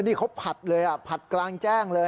นี่เขาผัดกลางแจ้งเลย